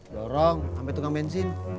dorong sampe tukang bensin